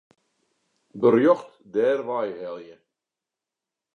Berjocht dêrwei helje.